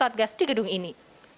satgas di gedung ini